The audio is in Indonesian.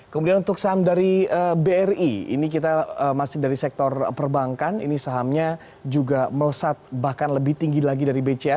kemudian untuk saham dari bri ini kita masih dari sektor perbankan ini sahamnya juga melesat bahkan lebih tinggi lagi dari bca